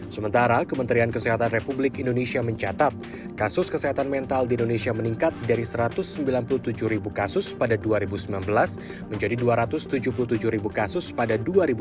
sementara kementerian kesehatan republik indonesia mencatat kasus kesehatan mental di indonesia meningkat dari satu ratus sembilan puluh tujuh ribu kasus pada dua ribu sembilan belas menjadi dua ratus tujuh puluh tujuh kasus pada dua ribu dua puluh